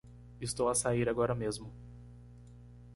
Estou a sair agora mesmo.